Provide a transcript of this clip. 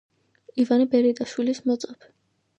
ივანე ბერიტაშვილის მოწაფე.